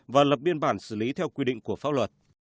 và lập biên bản xử lý theo quy định của pháp luật